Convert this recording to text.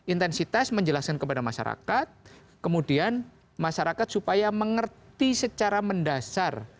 intensitas menjelaskan kepada masyarakat kemudian masyarakat supaya mengerti secara mendasar